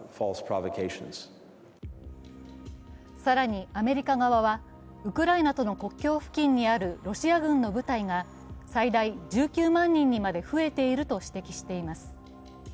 更にアメリカ側はウクライナとの国境付近にあるロシア軍の部隊が最大１９万人にまで増えていると指摘しています。